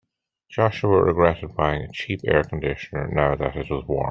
Joshua regretted buying a cheap air conditioner now that it was warmer.